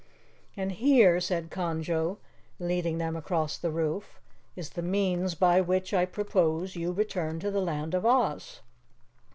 "And here," said Conjo, leading them across the roof, "is the means by which I propose you return to the Land of Oz."